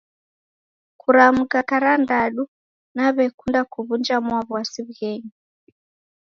kuramuka karandadu nawekunda kuw'unja Mwawasi w'ughangenyi.